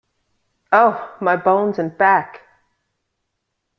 Oh, my bones and back!